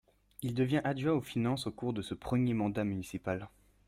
Il devient adjoint aux Finances au cours de ce premier mandat municipal.